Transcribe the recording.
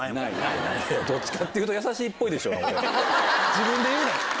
自分で言うな！